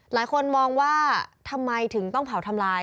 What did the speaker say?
หลายคนมองว่าทำไมถึงต้องเผาทำลาย